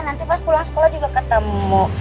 nanti pas pulang sekolah juga ketemu